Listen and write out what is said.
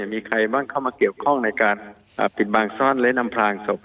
มีใครบ้างเข้ามาเกี่ยวข้องในการปิดบางซ่อนและอำพลางศพ